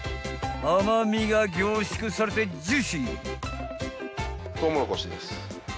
［甘味が凝縮されてジューシー］